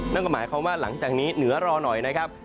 นั่นก็หมายความว่าหลังจากนี้เหนือรอหน่อยนะครับ